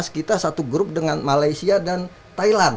dua ribu delapan belas kita satu grup dengan malaysia dan thailand